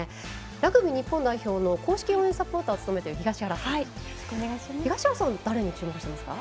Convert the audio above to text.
ラグビー日本代表の公式応援サポーターを務める東原さんは誰に注目していますか。